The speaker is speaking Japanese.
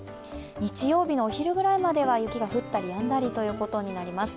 日曜日のお昼ぐらいまでは雪が降ったりやんだりということになります。